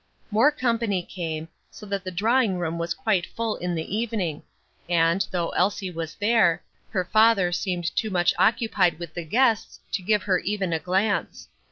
More company came, so that the drawing room was quite full in the evening; and, though Elsie was there, her father seemed too much occupied with the guests to give her even a glance.